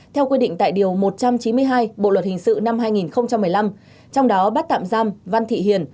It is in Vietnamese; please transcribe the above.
theo quy định tại điều một trăm chín mươi hai bộ luật hình sự năm hai nghìn một mươi năm trong đó bắt tạm giam văn thị hiền